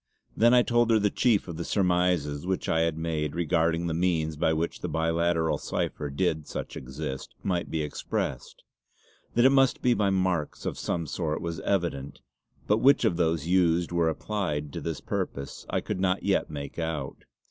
Then I told her the chief of the surmises which I had made regarding the means by which the biliteral cipher, did such exist, might be expressed. That it must be by marks of some sort was evident; but which of those used were applied to this purpose I could not yet make out.